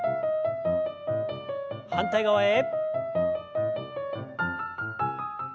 反対側へ。